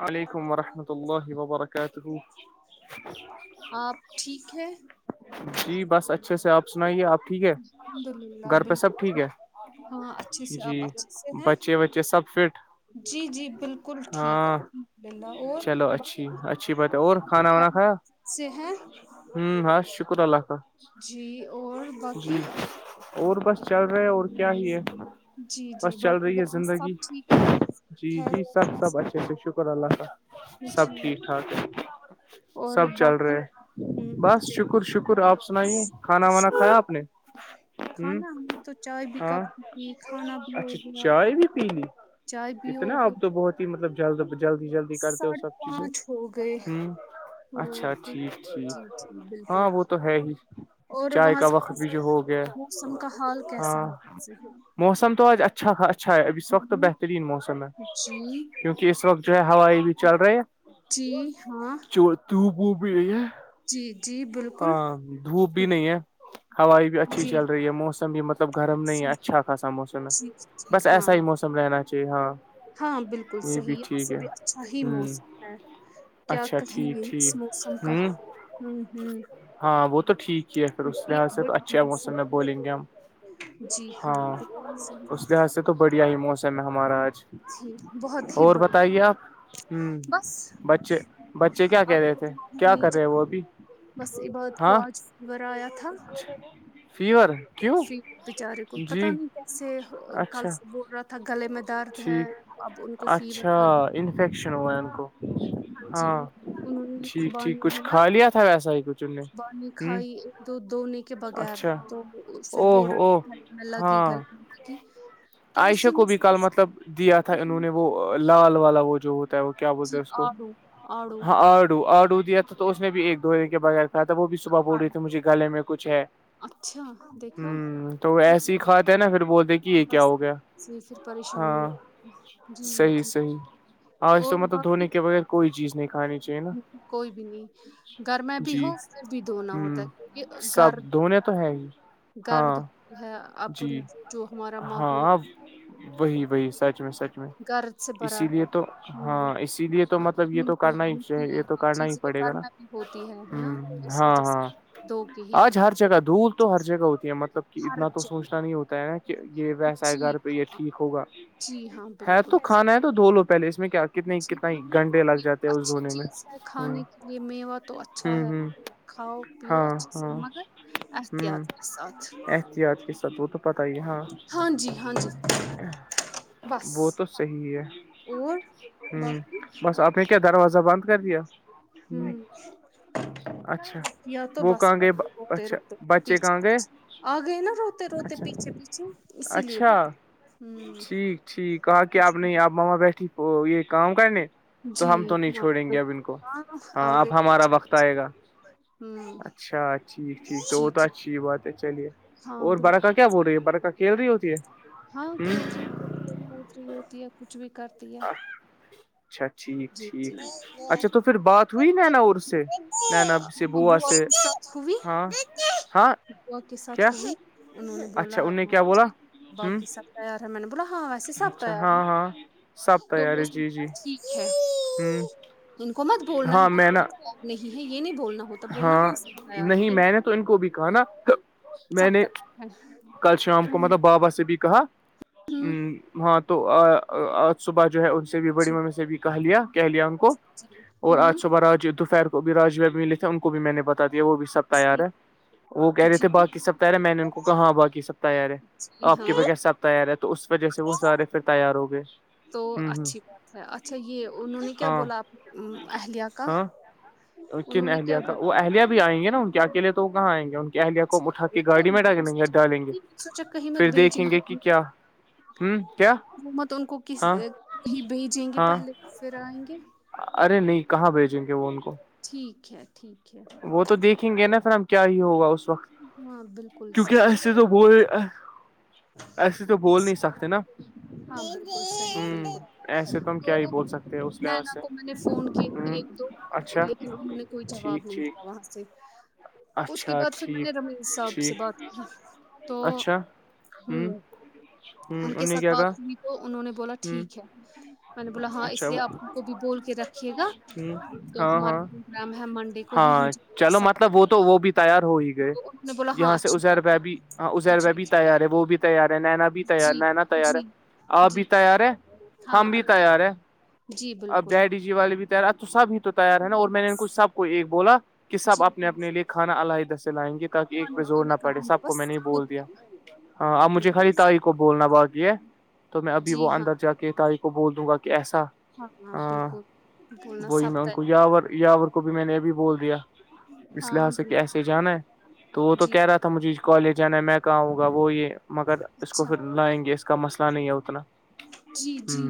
وعلیکم ورحمۃ اللہ وبرکاتہ کیا کہو آپ ٹھیک ہے جی بس اچھا اچھے سے آپ سنائیے آپ ٹھیک ہے الحمد للہ گھر پہ سب بالکل ٹھیک ہے ہاں اچھے سے جی آپ اچھے سے ہیں بچے وچے سب فٹ جی جی بالکل بلکل ٹھیک ہاں الحمدلہ اور چلو اچھی بقی اچھی بات ہے اور آپ سے ہے ہمم بس شکر اللہ کا جی اور باقی جی اور بس چل رہے اور کیا ہی ہے جی جی بس چل باقی رہی ہے گھر میی سب زندگی ٹھیک ہے جی جی خیرو سب سب اچھے سے شکر اللہ کا سب جی ٹھیک ٹھاک ہے سب اور چل باقی رہے ہوں ہے بس شکر شکر آپ سنائیے کھانا وانا شکر- کھایا آپ نے ہ کھانا ہم نے تو چائے بھی ہاں کپ کی پی کھانا بھی ہو اچھا گیا چائے بھی پی لی چائے بھی ہو اتنا آپ پھر تو بہت ہی مطلب جلد جلدی جلدی کرتے ہو سب چیزیں پانچ ہو گئے ہمم اچھا ہ ٹھیک جی ٹھیک جی بالکل ہاں وہ تو ہے ہی اور چائے وہاں کا سے وقت بھی کیسا جو ہو گیا موسم کا حال کیسا ہاں ہے وہاں سے؟ موسم تو آج اچھاا اچھا ہے اب اس وقت ہوں، بہترین موسم ہے جی کیونکہ اس وقت جو ہے ہوائی بھی چل رہی ہے جی ہاں دھوپ وو بھی یہی ہے جی جی بالکل ہاں دھوپ بھی نہیں ہے ہوائ بھی اچھی جی چل رہی ہے موسم بھی مطلب مطلب گرم نہیں ہے جی اچھا خاصا موسم ہے جی بس ہاں ایسا ہی موسم رہنا چاہیے ہاں ہاں بالکل یہ بھی صحیح یہاں ٹھیک سے ہے بھی اچھا ہی ہ موسم ہے کیا اچھا کہیں ٹھیک گے ٹھیک اس موسم کا ہوں ہوں ہوں ہاں وہ تو ٹھیک ہی ہے پھر اس بڑھیا لحاظ سے تو بڑھیا اچھے موسم موسن میں بولیں گے ہم جی ہاں بالکل صحیح اس لحاظ سے تو بڑھیا ہی موسم ہے ہمارا آج جی بہت ہی اور بڑی بتائیے آپ ہوں بس بچے بچے کیا کہہ آپ رہے تھے کیا کر نیچے رہے وہ ابھی بس عباد کو ہاں آج ورایا تھا فیور کیوں فی بچارے کو پتہ جی نہیں سے کل اچھا سے بول رہا تھ گلے میں درد ہے ٹھیک اب ان کو اچھا فیور آ گیا انفیکشن ہوا ہے ان کو ہاں جی انہوں نے ٹھیک ٹھیک خوبانی کچھ ہے نا کھا لیا تھا ویسا ہی کچھ ان نے خوبانی ہ کھائی تو دنے کے بغیر اچھا تو پھر او بول رہا او گلے میں لگی ہاں گلے میں لگی تو عائشہ اسی کو میں بھی سے کل اس- مطلب دیا تھا انہوں نے وہ لال والا وہ جو ہوتا ہے وہ کیا بولتے جی ہیں اس کو آڑو آڑو ہاں آڈو آڈو دیا تو اس نے بھی ایک دھے کے بغیر کا تھا وہ بھی صبح بول رہی ہائے تھی مجھے گلے میں کچھ ہے اچھا دیکھا ہمم تو ایسی ہی کھاتے ہیں نا پھر بولتے کہ کہ کیا بس ہو گیا سے پھر پریشانی ہاں ہے۔ جی صحیح جی صحیح آج تو اور مطلب باقی دھونے کے بغیر کوئی چیز نہیں کھنی کوئی بھی نہیں گھر میں بھی جی ہو پھر بھی دھونا ہ ہوتا ہے کیونکہ سب گھر دنے تو ہے ہی گرد ہاں ہے اپن جی جو ہمارا ماحول ہاں وہی وہی سچ میں سچ میں گرد سے بھرا اسی ہے لیے تو ہاں ہوں، اسی لیے تو مطلب یہ تو بالکل، کرنا ہیاہ مٹی یہ کی تو کرنا ہی چیزیں پڑے گا گھر نا میں بھی ہ ہاں ہاں دو آج ہر جگہ دھول تو ہر جگہ ہوتی ہے مطلب کہ ہر اتنا تو جگہ سوچنا نہیں ہوتا ہے ن کہ یہ ویسا ہے جی گھر پہ یہ ہاں ٹھیک ہوگا جی ہاں ہے بالکل تو کھانا ہے صحیح تو دھو لو پہلے اس میں کیا کتنے کتنا گھنٹے لگ جاتے ہیں اس اچھی دھونے میں چیز ہے ہ کھانے کے لیے میوہ تو ہ اچھا ہے ہ کھاؤ پیو ہاں اچھل ہاں مگر احتیاط ہوں گس اد احتیاط کے ساتھ وہ تو پتہ ہی ہاں ہاں جی ہاں جی بس وہ تو صحیح ہے اور ہوں باقی بس آپ نے کیا دروازہ بند کر دیا ہ ہوں اچھا یا تو وہ بس کہاں آ گئے روتے اچھا روتے بچے پیچھے کہاں گئے پیچھے آ گئے نا روتے روتے اچھا پیچھے پیچھے اسی لیے اچھا ہوں ٹھیک ٹھیک کہاں کہ آپ جی نہیں آپ ماما بیٹھی وہ یہ کام کرنے تو ہم جی تو نہیں ہاں چھوڑیں گے اب ان بالکل کو ہاں ہاں آ گئے اب ہمارا پیچھے۔ وقت آئے گا ہوں اچھا ٹھیک ٹھیک تو جی اوت جی چ بات ہے چلیے ہاں اور بالکل برقا کیا بول رہی ہے برقا کھیل رہی ہوتی ہے ہاں ہ کھیل ہوتی ہوتی ہے کچھ بھی کر آ جی جی تو پھر بات ہوئی نینا اور سے نینا سے بوا سے ہاں ہاں ہو کے ساتھ کیا ہوئی انہوں نے بولا اچھا ان نے کیا بولا ہ باقی سب تیار ہے م بولا ہاں ویسے سب اچھا تیار ہاں ہے ہاں سب تیار ہے جی جی ہےھ ہ ان کو مت بولنا ہاں ہے کہ میں نا کوئی تیار نہیں ہے یہ نہیں بولنا ہوتا بولنا ہاں اس تیار ہے نہیں یہ میں نے ان کو بھی کہا نا میں سب نے تیار ہے کل شام کو مطلب بابا سے بھی کہا ہ ہاں تو آج صبح جو ہے سے بھی ہوں بڑی جی ممی سے بھی کہ لیا کہہ لیا ان کو جی اور آج ہوں صبح آج دوپہر کو بھی رجو بھی ملے تھے ان کو بھی میں نے بتا دیا وہ بھی سب تیار ہے جی وہ کہہ رہے تھے جی بای سب تیار ہے میں نے ان کو کہ ہاں بای سب ت یار ہے جی آپ کے ہاں بغیر سب تیار ہے تو اس وجہ سے وہ سارے پھر تیار ہو گئے تو ہ ہ اچھی بات ہے اچھا یہ انہوں نے کیا ہاں بولاپ اہلیہ کا ہاں کن انہوں نے اہلیہ کیا کا بولا وہ اہلیہ بھی آئیں گے نا ان کے اکیلے تو وہ کہاں آئیں گے ان کے اہلیہ کو اٹھا کے گاڑی میں ڈالیں گے ڈالیں گے مت پھر دیکھیں بیجنگ کے گے کہ کیا ہوں کیا حکومت ان کو ہاں کسیں بھیجیں گے ہاں پہلے پھر آئیں گے ارے نہیں کہاں بھیجیں گے وہ ان کو ٹھیک ہے ٹھیک ہے وہ تو دیکھیں گے نا سھر ہم کیا ہی ہوگا اس وقت ہاں بالکل کیونکہ صحیح ایسے تو بول ایسے تو بول نہیں سکتے نا ہاں بالکل ہوں بالکل ایسے تم کیا بول سکتے ہیں اس ن لحاظ نہ سے کو میں نے فون کیے تھے ہ ایک دو اچھا لیکن انہوں نے کوئی جواب ٹھیک نہیں ٹھیک دیا وہاں سے اس کے اچھا بعد پھر میں ٹھیک نے رمیش صاحب سے ٹھیک بات کی تو اچھا ہ ہ ہوں ان کے نے ساتھ کیا بات کہا ہوئی تو انہوں نے بولا ہ ٹھیک ہے میں نے بولا ہاں اچھا اس لیے آپ ہم کو بھی بول کے رکھیے گا ہ تو ہاں ہاں ہمارا نام ہے منڈے کو ہی ہم ہاں ج چلو مطلب وہ تو وہ بھی تیار ہوئی گی یہاں سے اچھی ازیر بات ہے بب ہاں ازیر جی بب تیار ہے وہ بھی تیار ہے نینا بھی تیار جی نینا تیار ہے جی آپ جی بھی تیار ہیں ہاں ہم بھی تیار ہیں جی بالکل والے بھی تیار تو سب ہی تو تیار ہے نا اور میں نے ان بس کو سب کو ایک بولا کہ سب جی اپنے اپنے لے کے کھانا علاحدہ سے لائیں گے تاکہ ایک کھانے پہ زور نہ پینے کا پڑے سب کو میں نے ہی بندوبست بول دیا خود ہاں آپجھے بالکل خالی تاریخ کو بولنا باقی ہے تو میں ابھی جی وہ ہاں اندر جا کے تاری کو بول دوں گا کہ ایسا ہاں بولنا وہی میں سب ان تیار کو یاور یاور کو بھی میں نے ابھی بول دیا اس ہاں لحظ سے کہ بالکل ایسے جانا ہے تو وہ تو جی کہہ رہا تھا مجھے کالج جانا ہے میں کہاوں گا وہ یہ مگر اس کو اچھا پھر لائیں گے کا مسئلہ نہیں ہے اتنا جی ہ جی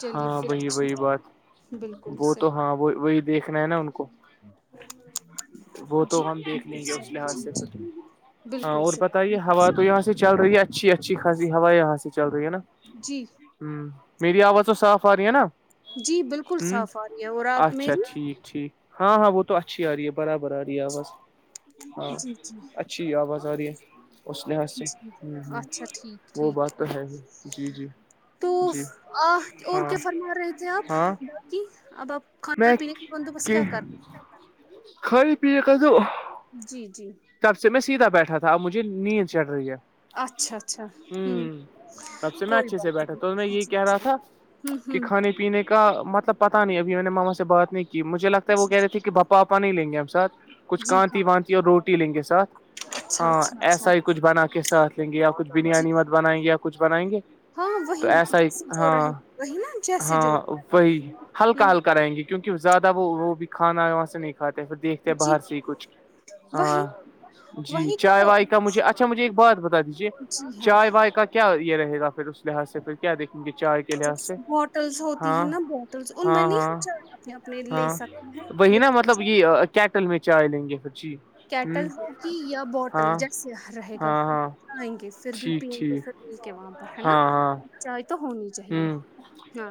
چلیے ہاں پھر وہی اچھی وہی بات بالکل وہ تو صحیح ہاں وہ وہی دیکھنا ہے نا ان کو وہ تو جی ہم دیکھ بالکل لیں گے اس صحیح لحاظ سے جی جی ہاں بالکل اور صحیح بتائیے بالکل ہوا تو صحیح یہاں سے چل رہی ہے اچھی اچھی خاصی ہوا یہاں سے چل رہی ہے نا جی ہ میری آواز تو صاف آ رہی ہے نا جی بالکل ہ صاف آ رہی ہے اور آپ اچھا میری ٹھیک ھیک ہاں ہاں وہ تو اچھی آ رہی ہے برابر آ رہی ہے بس ہاں جی جی اچھی آواز آ رہی ہے اس لحاظ سے جی ہ ہ اچھا ٹھیک وہ ٹھیک بات تو ہے ہی جی جی تو جی آ اور ہاں کیا فرما رہے تھے آپ ہاں باقی اب آپ کھان میں پینے کا بندوبست کیا کر خھائی پی کر تو جی جی تب سے میں سیدھا بیٹھا تھا اب مجھے نیند چڑھ رہی ہے اچھا اچھا ہوں کب سے میں کوئی اچھے سے بات بیٹھا تو میں نہیں یہی جی کہہ رہا جی تھا ہوں کہ ہوں کھانے پینے کا مطلب پتا نہیں اب میں نے ماما سے بات نہیں کی مجھے لگتا ہے وہ کہہ رہ تھے کہ بھپا آپا نہیں لیں گے ہم سھ کچھ جی ہاں کانتی وانتی اور روٹی لیں گے ساتھ اچھا ہاں اچھا اچھا ایسا ہی کچھ بنا کے ساتھ لیں گے یا کچھ جی بریانی مت بنائیں گے یا کچھ بنائیں گے ہاں تو وہی ایسا ہی جیسے جو ہاں رہے وہی نا جیسے جو ہاں وہی رہے گا ہلکا ہوں ہلکا یں گے کیونکہ زیادہ وہ وہ بھی کھانا وہاں سے نہیں کھاتے پھر دیکھتے جی باہر سے ہی کچھ وہی ہاں جی وہی چائے تو وائے کا مجھے اچھا مجھے ایک بات بتا دیجیے جی ہاں چائے و کا کیا یہ رہے گا پھر اس لحاظ سے پھر کیا دیکھیں گے چائے کے لحاظ جس سے بوٹلس ہوتی ہے ہاں نا بوٹلس ان میں ہاں نہیں ہاں خچا اپنے اپنے لے ہاں سکتا وہی نا مطلب یہ کیٹل میں چائے لیں گے پھر جی ہ کیٹل ہوگی یا بوٹل ہاں جیسے رہے گا ہاں ہاں ئیں گے پھر بھی ٹھیک پیئیں گے ٹھیک پھر مل کے وہاں پر ہے نا چائے تو ہونی چاہیے ہوں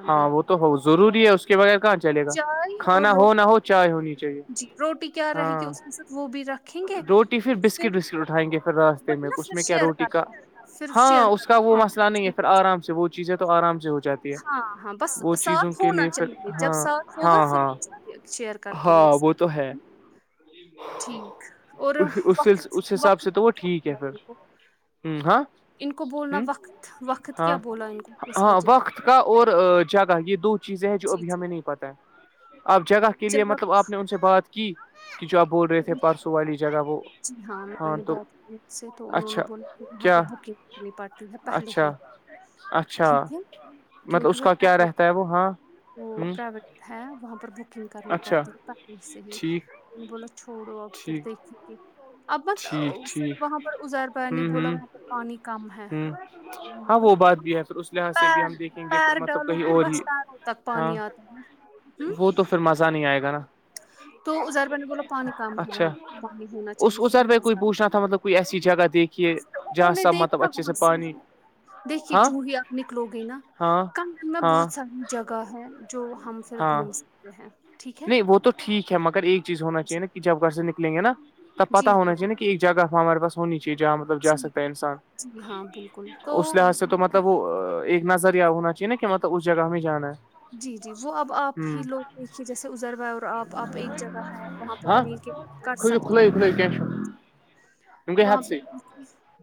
ہاں وہ تو ہو ضروری ہے اس کے بغیر کہاں چلے گا چائے اور کھانا ہو نہ روٹی ہو چائے ہونی چاہیے جی روٹی کیا رہے ہاں گی اس وہ بھی رکھیں گے روٹی پھر بسکٹ وسکٹ اٹھائیں گے پھر راستے بٹ میں نا اس پھر میں کیا شیئر روٹی کا کرتے ہیں، پھر ہاں شیئر اس کرتے کا ہیں، وہ ہاں مسئلہ کچھ نہیں ہے بھی پھر ہو جائے آرام سے وہ چیزیں تو آرام سے ہو جاتی ہے ہاں، ہاں، بس وہ چیزوں ساتھ کے ہونا لیے پھر چاہیے، جب ہاں ساتھ ہوگا ہاں پھر ہاں کچھ بھی شیئر کر کے ہاں لے وہ تو سکتے ہیں، ہے نا؟ ٹھیک اور وقت اس حساب وقت سے تو وہ کیا ٹھیک ہے بولا ان کو؟ پھر ہ ہاں ان کو بولنا ہ وقت وقت ہاں کیا بولا ان کو کس ہاں وجہ؟ وقت کا اور جگہ یہ دو چیزیں ہیں جو جی، ابھی جی، ہمیں نہیں پتا ہے آپ جگہ کے لیے مطلب آپ نے ان سے بات کی کہ جو آپ بول رہے تھے جی پرسوں والی جگہ وہ جی ہاں میں نے بات کی اس سے تو انہوں نے اچھا بولا کہ وہاں پہ کیا بکنگ کرنی پڑتی ہے پہلے ہی اچھا اچھا ٹھیک ہے مطلب کیونکہ اس وہ کا کیا پرٹ رہتا ہے وہ ہاں وہ ہ پر ہے وہاں پر بکنگ کرنی اچھا پڑتی پنے سے بھی ٹھیک بو چھوڑو اب پھر ٹھیک دیکھ ابت ٹھیک ٹھیک پھر وہاں پر ازار پ نے ہوں بولا ہوں وہاں پر پانی کم ہے ہوں ہاں ملب وہ بات بھی ہے پھر اس لحاظ سے بھی پیر ہم دیکھیں گے پھر پیر مطلب ڈالوں کہیں گی اور ہی بس پیروں تک ہاں پانی آتا ہے ہوں وہ تو پھر مزہ نہیں آئے گا نا تو ازار میںہ نے بولاو پانی کام ہے وہاں اچھا پانی ہونا چاہیے اس پھر بھی ازر پہ کوئی مزہ پوچھنا تھا مطلب کوئی ایسی جگہ دیکھیے تو انہوں جہاں نے سب مطلب دیکھا اچھے وہاں سے پانی دیکھیے ہاں جوہی آ نکلو گی نا ہاں کم میں ہاں بہت ساری جگہ ہے جو ہم پھر ہاں گھوم سکتے ہیں ٹھیک ہے نہیں وہ تو ٹھیک ہے مگر ایک چیز ہونا چاہی جی نا کہ جب گھر سے نکلیں گے نا تب پتتا جی ہاں ہونا چاہیے نا کہ ایک جگہ ہمارے پس ہونی چاہیے جہاں مطلب جا جی سکتا ہے انسان جی ہاں بالکل تو اس لحاظ سے تو مطلب وہ ایک نظریہ ہونا چاہیے نا کہ مطلب اس جگہ ہمیں جانا ہے جی جی وہ اب آپ ہی ہوں لوگ دیکھیے جیسے ازر ب آپ آپ ایک جگہ ہے وہاں پر ہاں مل کے کر کھل سکتے کھلے ہیں کھلے کیوں کہ وہاں حد پہ سے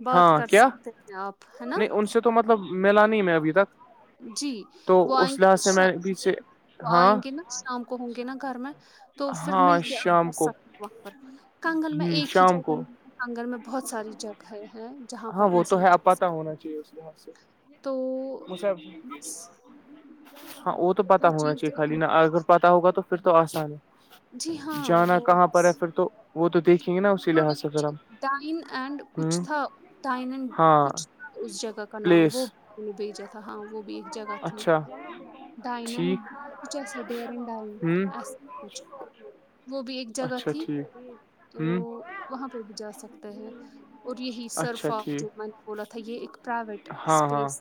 بات ہاں کر کیا سکتے ہیں آپ ہے نا نہیں ان سے تو مطلب ملا نہیں ہے ابھی تک جی تو وہ آئیں اس لحاظ سے گے میں پیچھے وہ ہاں آئیں گے نا شام کو ہوں گے نا گھر میں تو پھر مل ہاں کے آنا شام کو سفر وفر کنگن میں ہ ایک ہی شام جگہ کو آنگن میں بہت ساری جگہ ہیں جہاں ہاں پر وہ تو انسان ہے اب جا پتتا سکتا ہونا چاہیے ہے اس لحاظ سے تو مجھے بس ہاں وہ تو پتا ہونا چیز چاہیے خالی دیکھیں نہا اگر پتا ہوگا تو پھر تو آسان ہے جی ہاں جانا وہ کہاں بس پر ہے پھر تو وہ تو دیکھیں گے نا اسی لحاظ سے پھر کچھ ہم ڈائن اینڈ کچھ ہ تھا تٹائنن ہاں کچھ اس جگہ کا نام پلیس وہ بھی نے بھیجا تھا ہاں وہ بھی ایک جگہ تھی اچھا ٹھیک ڈایننچس ڈیرن ہوں ڈانسچ وہ بھی ایک جگہ اچھا تھی ٹھیک تو ہوں وہاں پہ بھی جا سکتے ہیں اور یہی اچھا سرفا جو ٹھیک میں نے بولا تھا یہ ایک پرائیویٹ ہاں ہاں اسپیس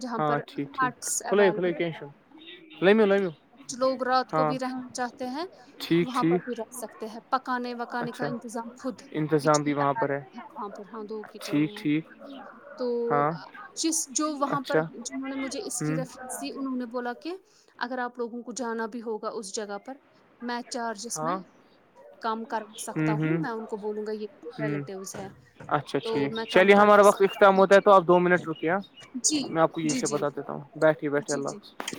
جہاں ہاں پر ٹھیک ٹھیک آرٹس کھلے اویلیبل کھلے ہیں کیش لمیو لمیو ک لوگ رات کو ہاں بھی رہنا چاہتے ہیں ٹھیک وہاں پر ٹھیک بھی رہ سکتے ہیں پکا پکانے وکانے کا اچھا انتظام خود انتظام کچن بھی وہاں پر اویلیبل ہے وہاں پر ہاں دو کچن ٹھیک ہیں ٹھیک تو ہاں جس جو وہاں اچھا پر جنہوں نے مجھے اس کی ہوں رف اسی انہوں نے بولا کہ اگر آپ لوگوں کو جانا بھی ہوگا اس جگہ پر میچ چارجس میں ج کام کر سکتا ہوں میں ان کو بولوں گا یہ ہوں ریلیٹیوس ہے اچھا تو ٹھیک میں کم چلیے کر ہمارا وقت سکتا اختام ہوں ہوتا ہے جی تو آپ دو منٹ رکے جی میں آپ کو جی یہی جی بت دیتا ہوں بیٹھیے بیٹھیے جی جی اللہافظ